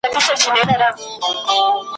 ویاړلی بیرغ ,